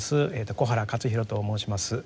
小原克博と申します。